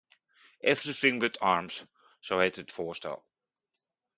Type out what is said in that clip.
Everything but arms, zo heette het voorstel.